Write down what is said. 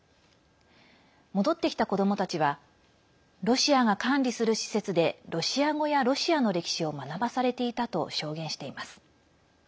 戻ってきた子どもたちはロシアが管理する施設でロシア語やロシアの歴史を学ばされていたと証言しています。